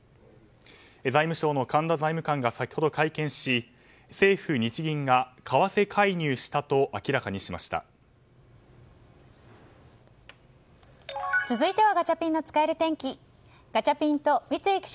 財務省の財務官が先ほど会見し政府・日銀が為替介入したと続いてはガチャピンの使える天気。